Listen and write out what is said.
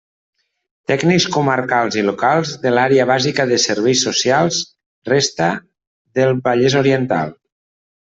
Tècnics comarcals i locals de l'Àrea Bàsica de Serveis Socials resta del Vallès Oriental.